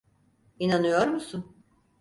İnanıyor musun?